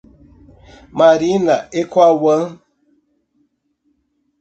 Marina e Cauã